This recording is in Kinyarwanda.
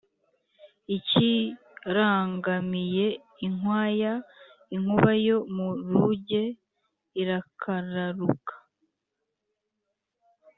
akirangamiye inkwaya inkuba yo mu ruge irakararuka